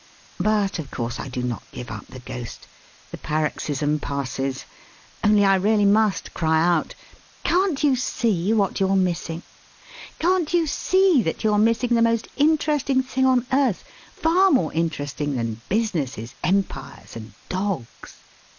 But, of course, I do not give up the ghost. The paroxysm passes. Only I really must cry out: 'Can't you see what you're missing? Can't you see that you're missing the most interesting thing on earth, far more interesting than businesses, empires, and dogs?